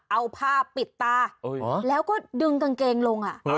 เอาผ้าปิดตาแล้วก็ดึงกางเกงลง